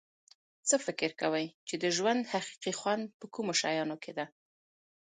څه فکر کوی چې د ژوند حقیقي خوند په کومو شیانو کې ده